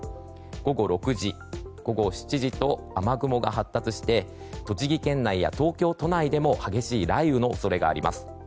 午後６時、午後７時と雨雲が発達して栃木県内や東京都内でも激しい雷雨の恐れがあります。